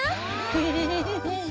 フフフフフ。